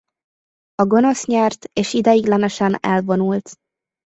A gonosz nyert és ideiglenesen elvonult.